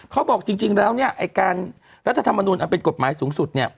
เขาบอกจริงแล้วเนี่ยไอ้การรัฐธรรมนุนอันเป็นกฎหมายสูงสุดเนี่ย